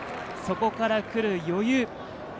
そこから来る余裕。